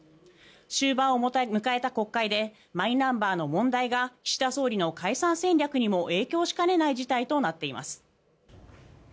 終盤を迎えた国会でマイナンバーの問題が岸田総理の解散戦略にも影響しかねない事態となっています。